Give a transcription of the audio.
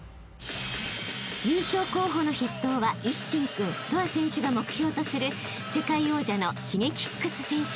［優勝候補の筆頭は一心君ＴＯＡ選手が目標とする世界王者のＳｈｉｇｅｋｉｘ選手］